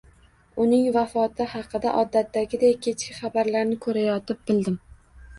Uning vafoti haqida, odatdagidek, kechki xabarlarni ko`rayotib bildim